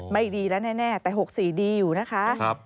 ไม่ดีแล้วแน่แต่๖๔ดีอยู่นะคะ